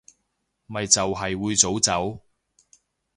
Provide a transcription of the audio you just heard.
咪就係會早走